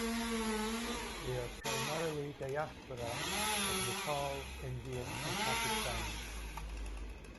They are primarily disapora of Nepal, Indian and Pakistani.